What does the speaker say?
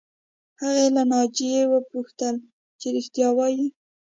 هغې له ناجیې وپوښتل چې رښتیا وایې